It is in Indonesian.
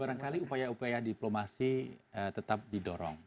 barangkali upaya upaya diplomasi tetap didorong